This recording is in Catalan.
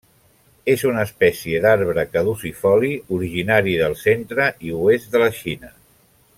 És una espècie d'arbre caducifoli originari del centre i oest de la Xina.